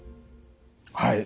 はい。